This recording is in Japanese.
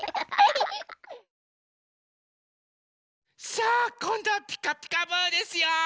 さあこんどは「ピカピカブ！」ですよ！